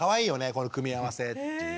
この組み合わせ」っていう。